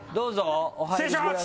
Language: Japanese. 失礼します！